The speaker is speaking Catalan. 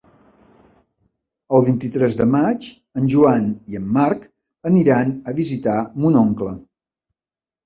El vint-i-tres de maig en Joan i en Marc aniran a visitar mon oncle.